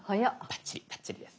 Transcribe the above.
バッチリバッチリです。